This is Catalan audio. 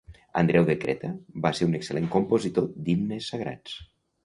Andreu de Creta va ser un excel·lent compositor d'himnes sagrats.